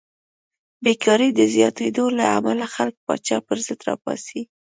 بېکارۍ د زیاتېدو له امله خلک پاچا پرضد راپاڅي.